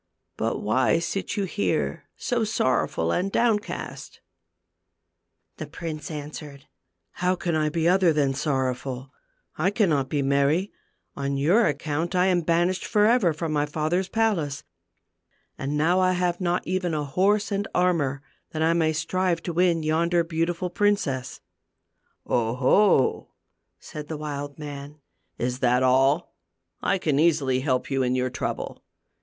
But why sit you here so sorrowful and downcast ?" The prince answered, " How can I be other than sorrowful ? I cannot be merry. On your account I am banished forever from my father's palace, and now I have not even a horse and armor that I may strive to win yonder beautiful princess." " 0, ho !" said the wild man ;" is that all ? I can easily help you in your trouble.